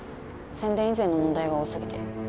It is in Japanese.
宣伝以前の問題が多すぎて。